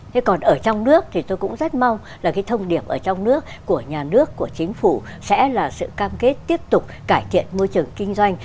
thế còn ở trong nước thì tôi cũng rất mong là cái thông điệp ở trong nước của nhà nước của chính phủ sẽ là sự cam kết tiếp tục cải thiện môi trường kinh doanh